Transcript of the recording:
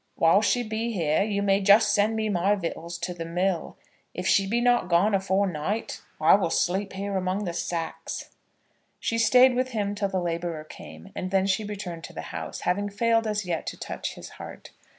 While she be here you may just send me my vittels to the mill. If she be not gone afore night, I will sleep here among the sacks." She stayed with him till the labourer came, and then she returned to the house, having failed as yet to touch his heart.